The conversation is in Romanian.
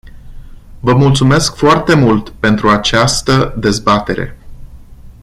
Vă mulțumesc foarte mult pentru această dezbatere.